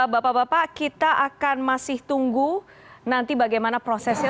bapak bapak kita akan masih tunggu nanti bagaimana prosesnya